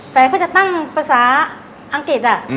แฟนจะตั้งฝรรดาอังกฤษ